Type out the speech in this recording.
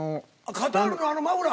カタールのあのマフラー。